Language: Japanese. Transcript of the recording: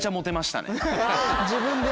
自分で。